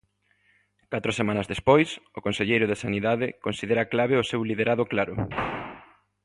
Catro semanas despois, o conselleiro de Sanidade considera clave o seu "liderado claro".